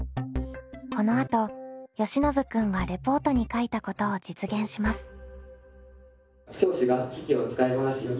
このあとよしのぶ君はレポートに書いたことを実現します。